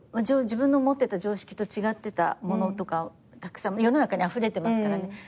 自分の持ってた常識と違ってたものとかたくさん世の中にあふれてますからね。